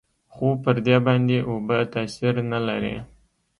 خو پر دې باندې اوبه تاثير نه لري.